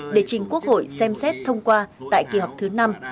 để trình quốc hội xem xét thông qua tại kỳ họp thứ năm